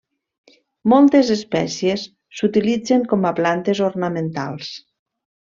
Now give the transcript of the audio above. Moltes espècies s'utilitzen com a plantes ornamentals.